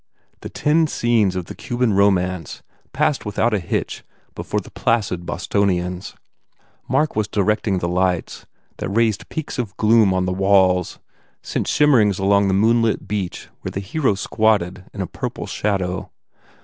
The ten scenes of the Cuban romance passed without a hitch before the placid Bostonians. Mark was directing the lights that raised peaks of gloom on the walls, sent shim merings along the moonlit beach where the hero squatted in a purple shadow.